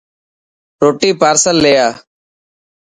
روٽي پارسل لي آءِ.